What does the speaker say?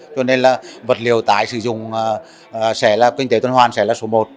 cho nên là vật liều tải sử dụng sẽ là kinh tế toàn hoàn sẽ là số một